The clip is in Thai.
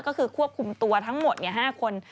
ก็คือควบคุมตัวทั้งหมด๕คน